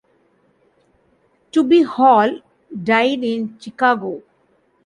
Tubby Hall died in Chicago.